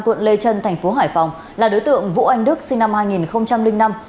quận lê trân tp hải phòng là đối tượng vũ anh đức sinh năm hai nghìn năm